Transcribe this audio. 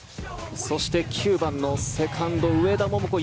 そして、９番のセカンド上田桃子